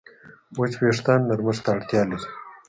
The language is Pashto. وچ وېښتيان نرمښت ته اړتیا لري.